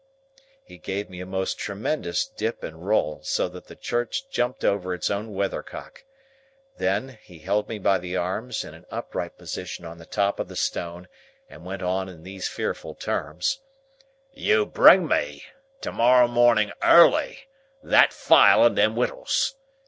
He gave me a most tremendous dip and roll, so that the church jumped over its own weathercock. Then, he held me by the arms, in an upright position on the top of the stone, and went on in these fearful terms:— "You bring me, to morrow morning early, that file and them wittles.